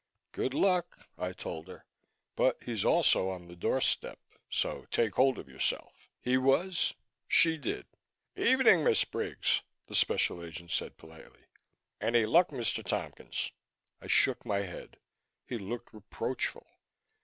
"Good luck," I told her. "But he's also on the doorstep, so take hold of yourself." He was. She did. "'Evening, Miss Briggs," the Special Agent said politely. "Any luck, Mr. Tompkins?" I shook my head. He looked reproachful.